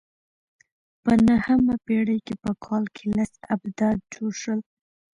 په نهمه پېړۍ کې په کال کې لس آبدات جوړ شول